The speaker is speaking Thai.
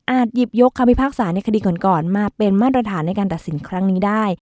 หยิบยกคำพิพากษาในคดีก่อนมาเป็นมาตรฐานในการตัดสินครั้งนี้ได้